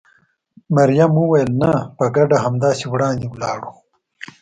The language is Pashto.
مريم وویل: نه، په ګډه همداسې وړاندې ولاړو.